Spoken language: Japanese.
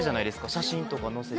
写真とか載せて。